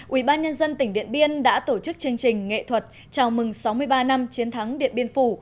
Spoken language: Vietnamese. ubnd tỉnh điện biên đã tổ chức chương trình nghệ thuật chào mừng sáu mươi ba năm chiến thắng điện biên phủ